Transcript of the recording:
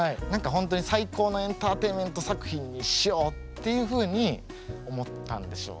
ほんとに最高のエンターテインメント作品にしようっていうふうに思ったんでしょうね。